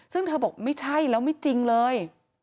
ซึ่งเธอบอกไม่ใช่แล้วไม่จริงเลย